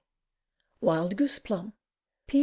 Wild Goose Plum. P.